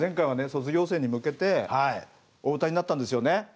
卒業生に向けてお歌いになったんですよね。